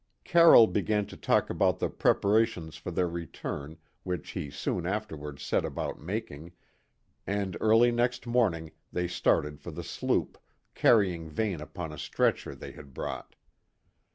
Carroll began to talk about the preparations for their return, which he soon afterwards set about making, and early next morning they started for the sloop, carrying Vane upon a stretcher they had brought.